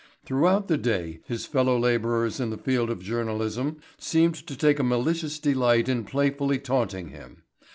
Throughout the day his fellow laborers in the field of journalism seemed to take a malicious delight in playfully taunting him.